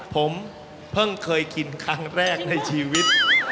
ผมเพิ่งเคยกินครั้งแรกในชีวิต